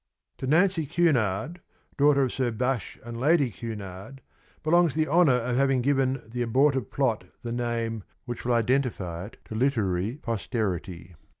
To Nancy Cunard, daughter of Sir Bache and Lady Cunard, belongs the honour of having given the abortive plot the name which will identify it to literary posterity.